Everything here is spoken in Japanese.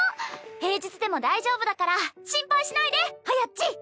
平日でも大丈夫だから心配しないではやっち！